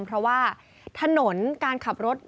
เพราะว่าถนนการขับรถ